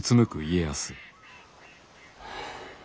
はあ。